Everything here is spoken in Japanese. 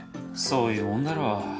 そういうもんだろう。